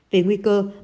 về nguy cơ